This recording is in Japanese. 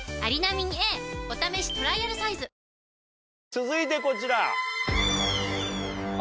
続いてこちら。